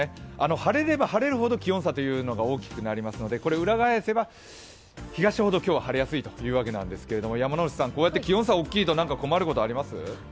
晴れれば晴れるほど気温差が大きくなりますので裏返せば、東ほど今日は晴れやすいというわけなんですけど山内さん、こうやって気温差大きいと困ることあります？